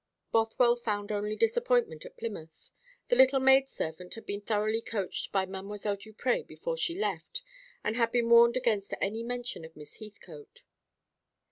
Bothwell found only disappointment at Plymouth. The little maid servant had been thoroughly coached by Mdlle. Duprez before she left, and had been warned against any mention of Miss Heathcote.